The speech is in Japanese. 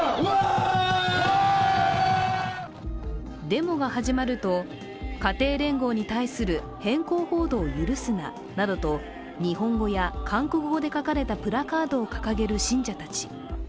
デモが始まると、家庭連合に対する偏向報道を許すななどと日本語や韓国語で書かれたプラカードを掲げる信者たち。